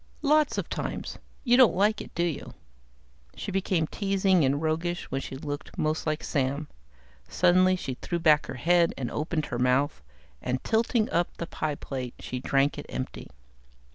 "Lots of times. You don't like it, do you?" She became teasing and roguish, when she looked most like Sam. Suddenly she threw back her head and opened her mouth, and tilting up the pie plate she drank it empty.